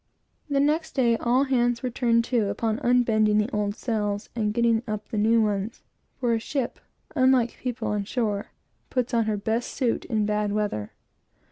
The next day, all hands were turned to upon unbending the old sails, and getting up the new ones; for a ship, unlike people on shore, puts on her best suit in bad weather.